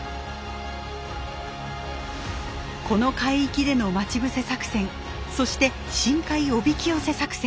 この海域での待ち伏せ作戦そして深海おびき寄せ作戦。